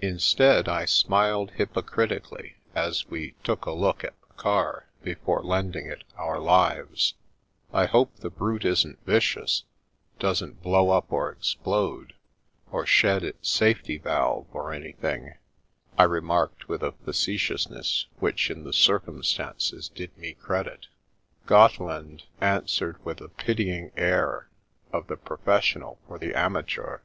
Instead, I smiled hypocritically as we "took a look" at the car before lending it our lives, " I hope the brute isn't vicious ; doesn't blow up or explode, or shed its safety valve, or anything," I remarked with a facetiousness which in the cir cumstances did me credit. Gotteland answered with the pitying air of the professional for the amateur.